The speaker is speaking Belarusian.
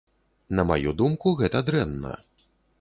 На маю думку, гэта дрэнна.